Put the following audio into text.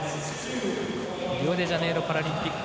リオデジャネイロパラリンピック